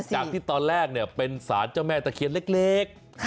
จากที่ตอนแรกเป็นสารเจ้าแม่ตะเคียนเล็ก